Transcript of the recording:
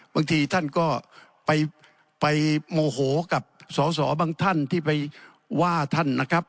บางทีท่านก็ไปโมโหกับสอสอบางท่านที่ไปว่าท่านนะครับ